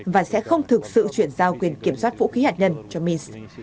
và sẽ không thực sự chuyển giao quyền kiểm soát vũ khí hạt nhân cho mins